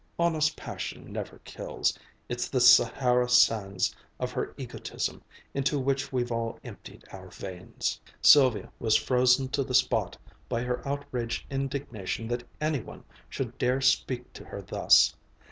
Honest passion never kills. It's the Sahara sands of her egotism into which we've all emptied our veins." Sylvia was frozen to the spot by her outraged indignation that any one should dare speak to her thus.